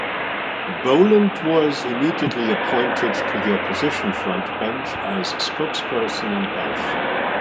Boland was immediately appointed to the Opposition front bench as spokesperson on Health.